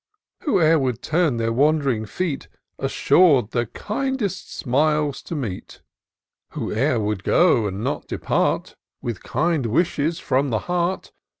Whoe'er would turn their wandering feet, Assur'd the kindest smiles to meet; Whoe'er would go and not depart But with kind wishes from the heart.